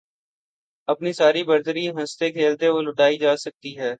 اپنی ساری برتری ہنستے کھیلتے لُٹائی جا سکتی ہے